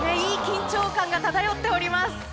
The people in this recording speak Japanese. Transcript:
いい緊張感が漂っております。